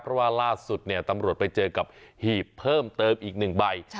เพราะว่าล่าสุดตำรวจไปเจอกับหีบเพิ่มเติมอีก๑ใบ